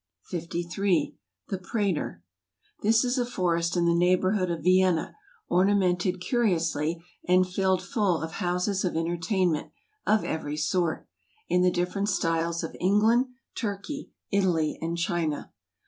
53. The Prater . This is a forest in the neighbourhood of Vi¬ enna, ornamented curiously, and filled full of houses of entertainment, of every sort; in the different styles of England, Turkey, Italy, and China.